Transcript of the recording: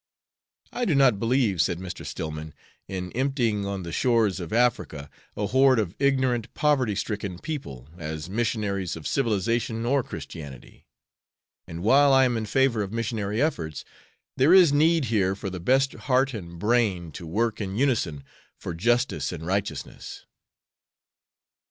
"I do not believe," said Mr. Stillman, "in emptying on the shores of Africa a horde of ignorant, poverty stricken people, as missionaries of civilization or Christianity. And while I am in favor of missionary efforts, there is need here for the best heart and brain to work in unison for justice and righteousness."